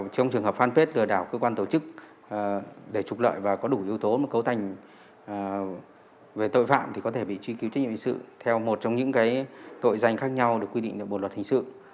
trong trường hợp fanpage lừa đảo cơ quan tổ chức để trục lợi và có đủ yếu tố cấu thành về tội phạm thì có thể bị truy cứu trách nhiệm hình sự theo một trong những tội danh khác nhau được quy định bộ luật hình sự